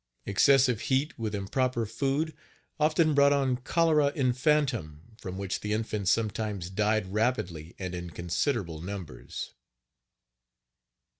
Excessive heat, with improper food, often brought on cholera infantum, from which the infants sometimes died rapidly and in considerable numbers.